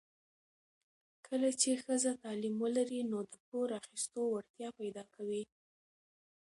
کله چې ښځه تعلیم ولري، نو د پور اخیستو وړتیا پیدا کوي.